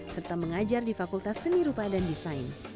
serta mengajar di fakultas seni rupa dan desain